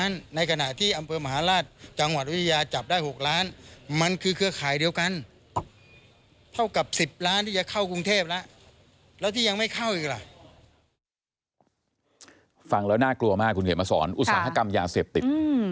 น่ากลัวมากคุณเขียนมาสอนอุตสาหกรรมยาเสพติด